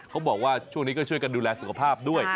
เขาบอกว่าช่วงนี้ก็ช่วยกันดูแลสุขภาพด้วย